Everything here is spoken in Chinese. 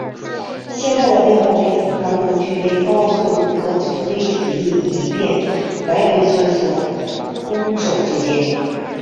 现代的边后卫通常都具备高速度和充沛体力以便来回穿梭攻守之间。